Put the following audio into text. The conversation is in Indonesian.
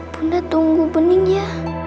bunda tunggu mending ya